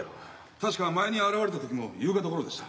確か前に現れたときも夕方ごろでした。